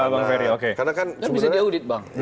bisa diaudit bang